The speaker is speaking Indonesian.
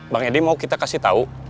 bang edi mau kita kasih tahu